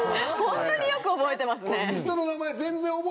ホントによく覚えてますね。